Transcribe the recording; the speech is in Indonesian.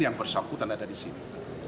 yang bersangkutan ada di sini